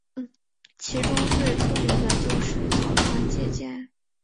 其中最出名的就是草船借箭。